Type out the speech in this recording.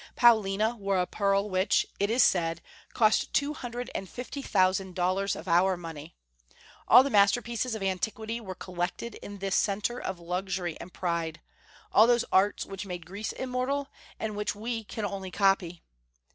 Paulina wore a pearl which, it is said, cost two hundred and fifty thousand dollars of our money. All the masterpieces of antiquity were collected in this centre of luxury and pride, all those arts which made Greece immortal, and which we can only copy.